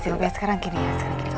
sylvia sekarang gini ya